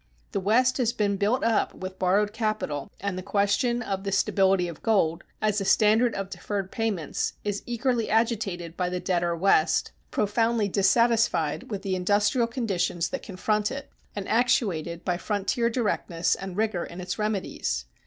The West has been built up with borrowed capital, and the question of the stability of gold, as a standard of deferred payments, is eagerly agitated by the debtor West, profoundly dissatisfied with the industrial conditions that confront it, and actuated by frontier directness and rigor in its remedies.